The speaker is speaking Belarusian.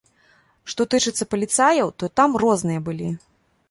Што тычыцца паліцаяў, то там розныя былі.